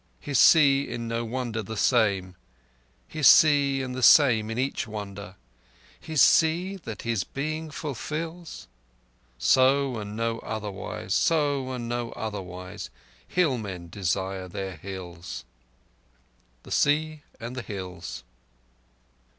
His Sea in no wonder the same—his Sea and the same in each wonder— His Sea that his being fulfils? So and no otherwise—so and no otherwise hill men desire their hills! The Sea and the Hills.